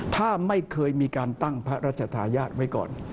ถ้าไม่เคยมีการตั้งพระราชทายาทไว้ก่อน